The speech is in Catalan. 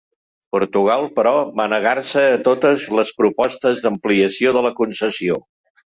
Portugal, però, va negar-se a totes les propostes d'ampliació de la concessió.